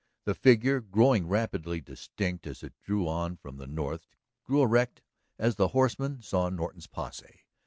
The figure, growing rapidly distinct as it drew on from the north, grew erect as the horseman saw Norton's posse.